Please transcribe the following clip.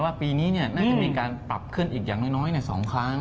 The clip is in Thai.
ว่าปีน้อยจะมีการปรับขึ้นอีกอย่างน้อยสองครั้ง